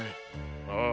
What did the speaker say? ああ。